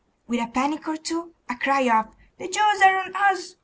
With a panic or two, a cry of 'The Jews are on us!